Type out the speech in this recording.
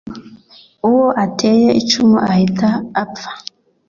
uwo ateye icumu ahita apfa